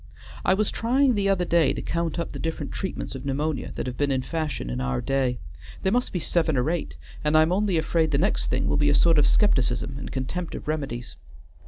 I was trying the other day to count up the different treatments of pneumonia that have been in fashion in our day; there must be seven or eight, and I am only afraid the next thing will be a sort of skepticism and contempt of remedies.